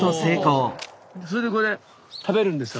それでこれ食べるんですか？